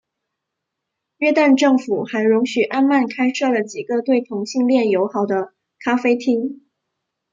约旦政府还容许安曼开设了几个对同性恋友好的咖啡厅。